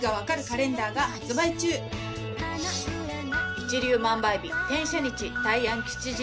一粒万倍日天赦日大安吉日